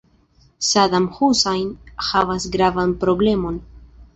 Sadam Husajn havas gravan problemon.